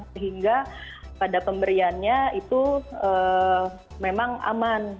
sehingga pada pemberiannya itu memang aman